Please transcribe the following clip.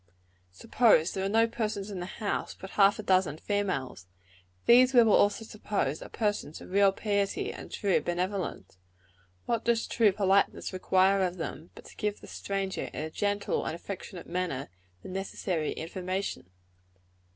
Suppose there are no persons in the house, but half a dozen females. These, we will also suppose, are persons of real piety and true benevolence. What does true politeness require of them, but to give the stranger, in a gentle and affectionate manner, the necessary information?